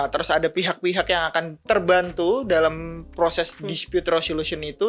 terus ada pihak pihak yang akan terbantu dalam proses dispute resolution itu